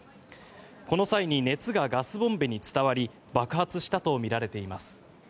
この際に熱がガスボンベに伝わり爆発したとみられています。